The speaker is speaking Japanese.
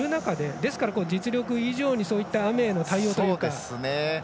ですから実力以上にそういった雨への対応というか。